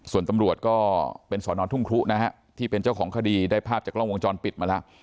ส่วนตำรวจก็เป็นสอนอทุ่งครุนะฮะที่เป็นเจ้าของคดีได้ภาพจากกล้องวงจรปิดมาแล้ว